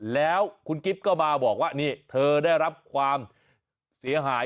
แล้วคุณกิ๊บก็มาบอกว่านี่เธอได้รับความเสียหาย